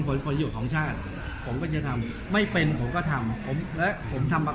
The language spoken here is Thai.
ผลประโยชน์ของชาติผมก็จะทำไม่เป็นผมก็ทำผมและผมทำมา